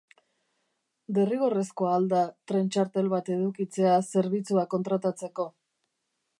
Derrigorrezkoa al da tren-txartel bat edukitzea zerbitzua kontratatzeko?